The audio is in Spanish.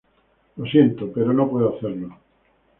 lo siento, pero no puedo hacerlo